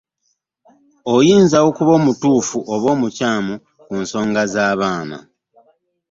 Akayinza okuba omutuufu oba omukyamu ku nsonga z'abaana.